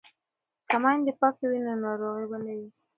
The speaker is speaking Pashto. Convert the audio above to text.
که میندې پاکې وي نو ناروغي به نه وي.